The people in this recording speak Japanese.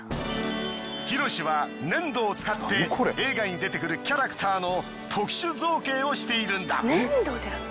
ＨＩＲＯＳＨＩは粘土を使って映画に出てくるキャラクターの特殊造形をしているんだ。